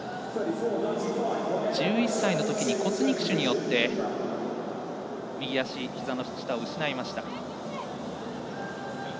１１歳のときに骨肉腫によって右足下のひざを失いました。